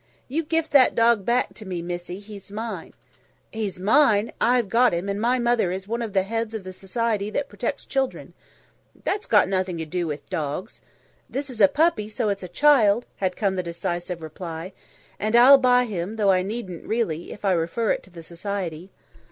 "You gif that dog back to me, missie, he's mine." "He's mine. I've got him, and my mother is one of the heads of the Society that protects children." "That's got nothing to do wif dogs." "This is a puppy, so it's a child," had come the decisive reply. "And I'll buy him, though I needn't really, if I refer it to the Society."